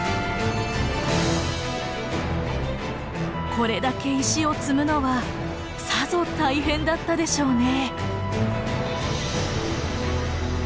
これだけ石を積むのはさぞ大変だったでしょうね。